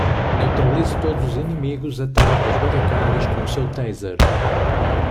Neutralize todos os inimigos atrás das barricadas com o seu taser.